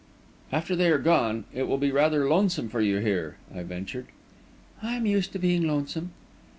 "After they are gone, it will be rather lonesome for you here," I ventured. "I am used to being lonesome."